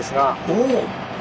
おお！